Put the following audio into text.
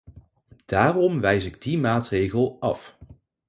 Daarom wijs ik die maatregel af.